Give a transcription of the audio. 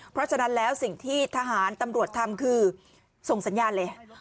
เพราะฉะนั้นแล้วสิ่งที่ทหารตำรวจทำคือส่งสัญญาณเลย